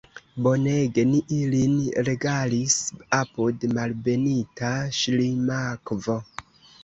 Bonege ni ilin regalis apud Malbenita Ŝlimakvo!